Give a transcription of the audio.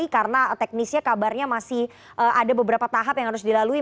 karena teknisnya kabarnya masih ada beberapa tahap yang harus dilalui